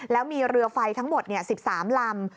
แล้วมีเรือไฟทั้งหมด๑๓ลำ